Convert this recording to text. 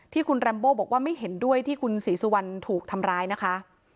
ที่คุณแรมโบบอกว่าไม่เห็นด้วยที่คุณศรีสุวรรณถูกทำร้ายนะคะ